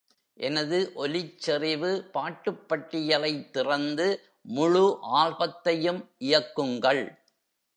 எனது ஒலிச் செறிவு பாட்டுப்பட்டியலைத் திறந்து, முழு ஆல்பத்தையும் இயக்குங்கள்